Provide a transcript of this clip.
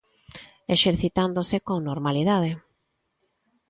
Exercitándose con normalidade.